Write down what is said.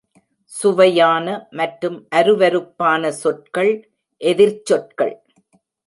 சுவையான மற்றும் அருவருப்பான சொற்கள் எதிர்ச்சொற்கள்.